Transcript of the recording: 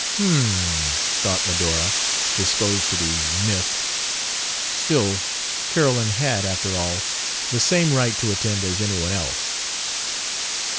"H'm," thought Medora, disposed to be miffed. Still, Carolyn had, after all, the same right to attend as anyone else.